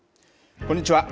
こんにちは。